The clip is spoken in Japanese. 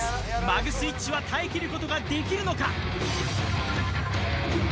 マグスイッチは耐え切ることができるのか？